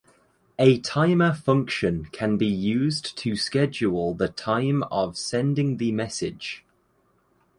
A timer function can be used to schedule the time of sending the message.